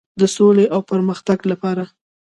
د سولې او پرمختګ لپاره.